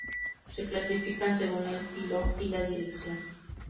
Se clasifican según el filo y la dirección.